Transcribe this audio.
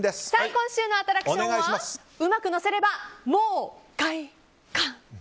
今週のアトラクションはうまく載せればもうカイカン！